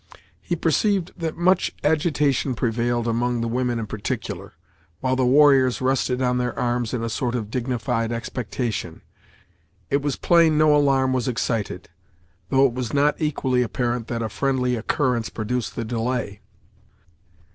He perceived that much agitation prevailed among the women in particular, while the warriors rested on their arms in a sort of dignified expectation. It was plain no alarm was excited, though it was not equally apparent that a friendly occurrence produced the delay.